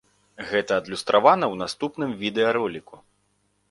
Гэта адлюстравана ў наступным відэароліку.